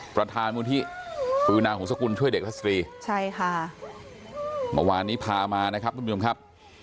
ประธานมูลที่ปือนาของสกุลช่วยเด็กและสตรีใช่ค่ะเมื่อวานนี้พามานะครับทุกผู้ชมครับ